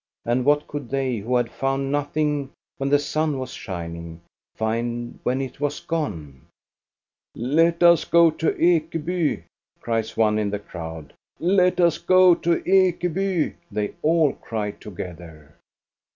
And what could they, who had found nothing when the sun was shining, find when it was gone } Let us go to Ekeby !" cries one in the crowd. Let us go to Ekeby !" they all cry together.